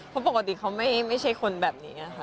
เพราะปกติเขาไม่ใช่คนแบบนี้ไงค่ะ